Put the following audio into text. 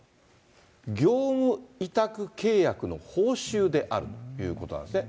業務委託契約の報酬であるということなんですね。